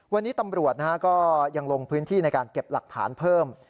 วันนี้ตำรวจก็ยังลงพื้นที่ในการเก็บหลักฐานเพิ่ม